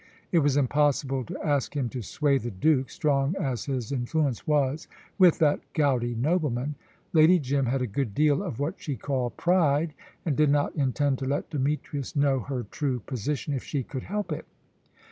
It was impossible to ask him to sway the Duke, strong as his influence was with that gouty nobleman. Lady Jim had a good deal of what she called pride, and did not intend to let Demetrius know her true position, if she could help it.